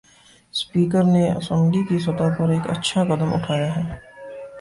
Speaker نے assembly کی سطح پر ایک اچھا قدم اٹھایا ہے۔